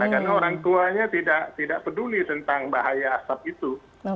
karena orang tuanya tidak peduli tentang bahaya asap itu